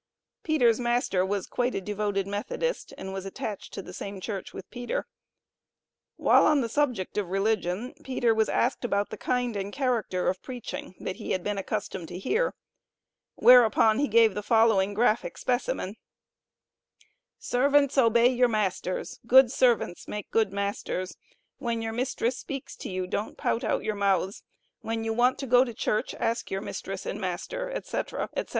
Peter's master was quite a devoted Methodist, and was attached to the same Church with Peter. While on the subject of religion, Peter was asked about the kind and character of preaching that he had been accustomed to hear; whereupon he gave the following graphic specimen: "Servants obey your masters; good servants make good masters; when your mistress speaks to you don't pout out your mouths; when you want to go to church ask your mistress and master," etc., etc.